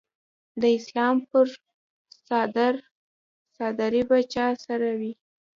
د اسلام پور څادرې به چا سره وي؟